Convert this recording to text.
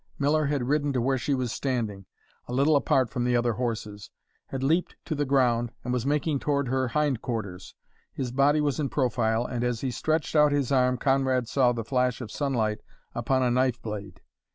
Miller had ridden to where she was standing, a little apart from the other horses, had leaped to the ground, and was making toward her hind quarters. His body was in profile, and as he stretched out his arm Conrad saw the flash of sunlight upon a knife blade.